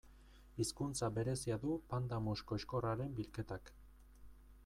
Hizkuntza berezia du pandanus koxkorraren bilketak.